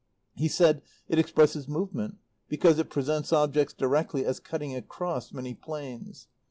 He said, "It expresses movement, because it presents objects directly as cutting across many planes.